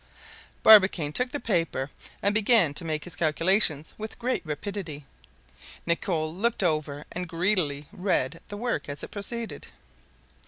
Barbicane took the paper, and began to make his calculations with great rapidity. Nicholl looked over and greedily read the work as it proceeded.